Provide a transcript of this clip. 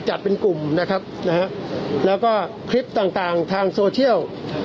เป็นกลุ่มนะครับนะฮะแล้วก็คลิปต่างต่างทางโซเชียล